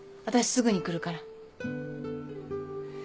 わたしすぐに来るから。